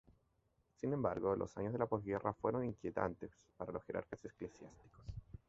Sin embargo, los años de la posguerra fueron inquietantes para los jerarcas eclesiásticos.